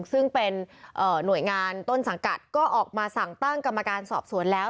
ซึ่งเป็นหน่วยงานต้นสังกัดก็ออกมาสั่งตั้งกรรมการสอบสวนแล้ว